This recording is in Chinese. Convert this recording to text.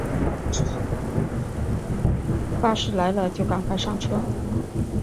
巴士来了就赶快上车